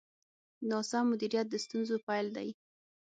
ناسم مدیریت د ستونزو پیل دی.